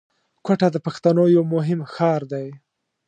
کوټه د پښتنو یو مهم ښار دی